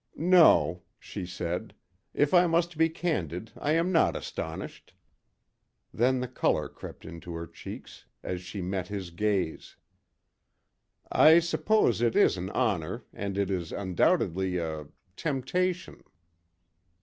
"No," she said; "if I must be candid, I am not astonished." Then the colour crept into her cheeks, is she met his gaze. "I suppose it is an honour and it is undoubtedly a temptation."